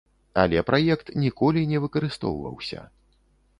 Але праект ніколі не выкарыстоўваўся.